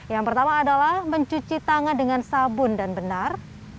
yang pertama adalah mencuci tangan dengan sabun dan benar